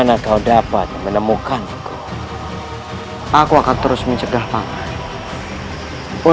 ya allah semoga kakinya tidak ada apa apa